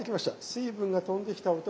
水分が飛んできた音が。